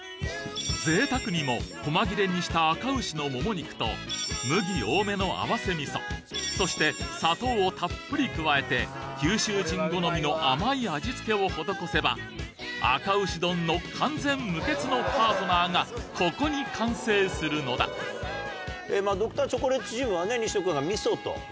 ぜいたくにも細切れにしたあか牛のもも肉と麦多めの合わせみそそして砂糖をたっぷり加えて九州人好みの甘い味付けを施せばあか牛丼の完全無欠のパートナーがここに完成するのだ「Ｄｒ．チョコレートチーム」はね西野君が。